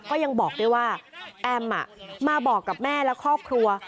ก็ยังบอกด้วยว่าแอมมาบอกกับแม่และครอบครัว